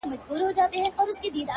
اخلاص د نیک عمل ارزښت ساتي